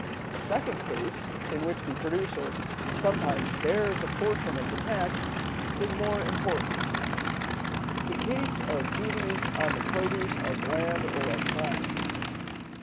The second case, in which the producer sometimes bears a portion of the tax, is more important: the case of duties on the produce of land or of mines.